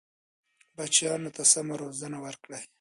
بچیانو ته سمه روزنه ورکړئ.